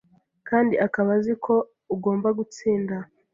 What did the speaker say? kandi akaba azi ko ugomba gutsinda